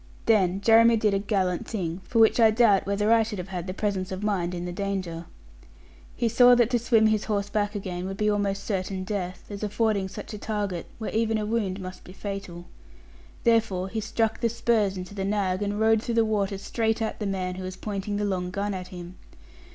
Then Jeremy did a gallant thing, for which I doubt whether I should have had the presence of mind in danger. He saw that to swim his horse back again would be almost certain death; as affording such a target, where even a wound must be fatal. Therefore he struck the spurs into the nag, and rode through the water straight at the man who was pointing the long gun at him.